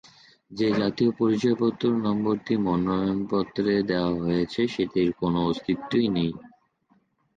যে জাতীয় পরিচয়পত্র নম্বরটি মনোনয়নপত্রে দেওয়া হয়েছে, সেটির কোনো অস্তিত্বই নেই।